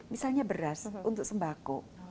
misalnya beras untuk sembako